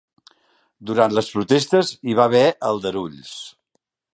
Durant les protestes hi va haver aldarulls